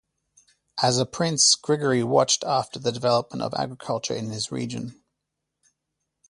As a Prince, Grigore watched after the development of agriculture in his region.